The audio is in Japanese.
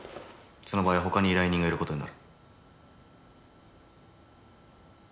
その場合は他に依頼人がいる事になる。